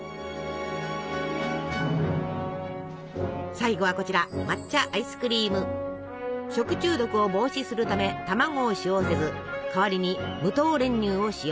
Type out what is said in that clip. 最後はこちら食中毒を防止するため卵を使用せず代わりに無糖練乳を使用。